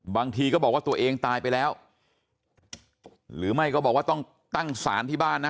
บางทีก็บอกว่าตัวเองตายไปแล้วหรือไม่ก็บอกว่าต้องตั้งสารที่บ้านนะ